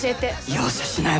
容赦しないわよ。